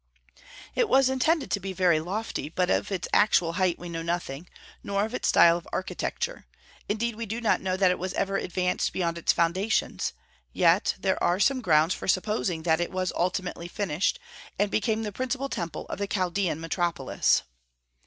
It was intended to be very lofty, but of its actual height we know nothing, nor of its style of architecture. Indeed, we do not know that it was ever advanced beyond its foundations; yet there are some grounds for supposing that it was ultimately finished, and became the principal temple of the Chaldaean metropolis.